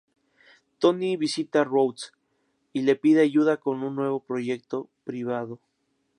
Tony visita a Rhodes y le pide ayuda con un nuevo proyecto privado.